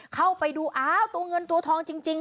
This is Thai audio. เข้าไปดูอ้าวตัวเงินตัวทองจริง